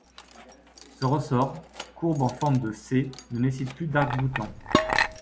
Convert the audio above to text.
Ce ressort, courbe en forme de C, ne nécessite plus d’arc-boutant.